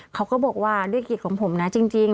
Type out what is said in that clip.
เขาก็บอกว่าด้วยกิจของผมจริง